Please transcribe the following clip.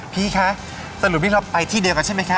พี่คะสรุปพี่ล็อปไปที่เดียวกันใช่ไหมคะ